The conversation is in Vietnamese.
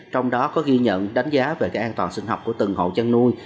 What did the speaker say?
trong đó có ghi nhận đánh giá về cái an toàn sinh học của từng hộ chăn nuôi